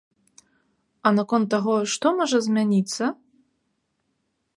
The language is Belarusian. А наконт таго, што можа змяніцца?